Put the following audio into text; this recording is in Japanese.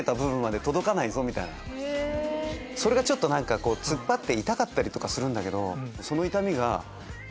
それがちょっと突っ張って痛かったりとかするんだけど。